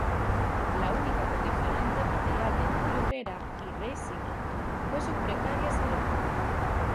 La única condicionante material de Julio Herrera y Reissig fue su precaria salud.